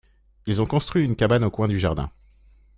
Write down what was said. Ils ont construit une cabane au coin du jardin.